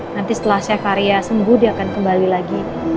nanti setelah chef arya sembuh dia akan kembali lagi